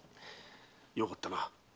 よかったな。